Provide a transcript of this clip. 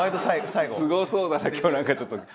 すごそうだな今日なんかちょっと。